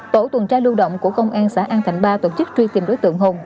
tổ tuần tra lưu động của công an xã an thạnh ba tổ chức truy tìm đối tượng hùng